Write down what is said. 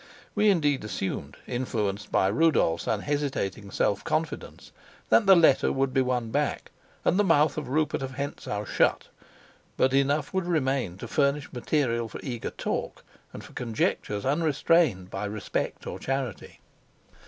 We indeed assumed, influenced by Rudolf's unhesitating self confidence, that the letter would be won back, and the mouth of Rupert of Hentzau shut; but enough would remain to furnish material for eager talk and for conjectures unrestrained by respect or charity.